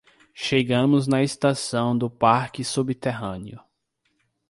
Chegamos na estação do parque subterrâneo